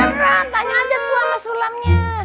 enggak tanya aja tuh sama sulamnya